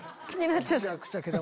気になっちゃって。